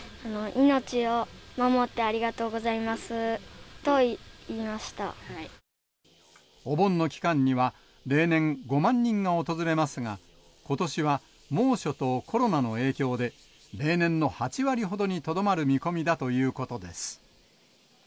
命を守ってありがとうございお盆の期間には、例年、５万人が訪れますが、ことしは猛暑とコロナの影響で、例年の８割ほどにとどまる見込みだということです。